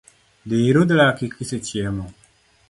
Dhi irudh laki kisechiemo